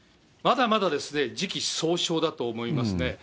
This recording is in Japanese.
まだまだ時期尚早だと思いますね。